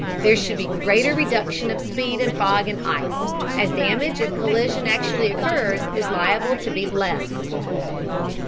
There should be greater reduction of speed in fog and ice, as damage if collision actually occurs is liable to be less.